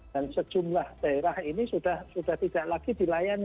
dan sejumlah daerah ini sudah tidak lagi dilayani